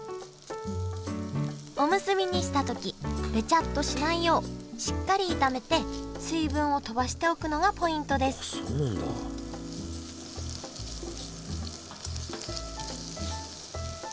おむすびにした時ベチャッとしないようしっかり炒めて水分をとばしておくのがポイントですあっそうなんだ。